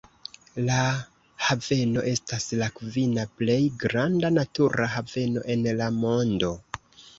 La haveno estas la kvina plej granda natura haveno en la mondo.